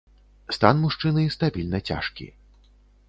Стан мужчыны стабільна цяжкі.